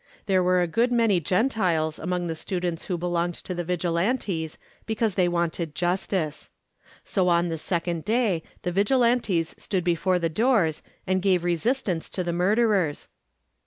There were a good many Gentiles among the students who belonged to the Vigilantes because they wanted justice. So on the second day the Vigilantes stood before the doors and gave resistance to the murderers.